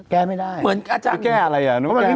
แก้ไม่ได้